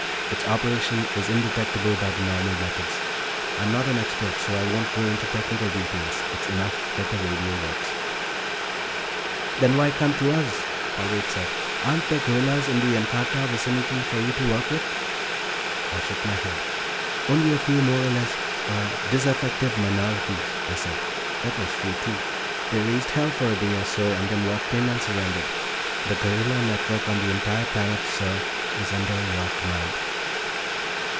"Its operation is indetectable by the normal methods. I'm not an expert, so I won't go into technical details; it's enough that the radio works." "Then why come to us?" Hollerith said. "Aren't there guerrillas in the Ancarta vicinity for you to work with?" I shook my head. "Only a few more or less ... ah ... disaffected minorities," I said. That was true, too. "They raised hell for a day or so, then walked in and surrendered. The guerrilla network on the entire planet, sir, is under your command."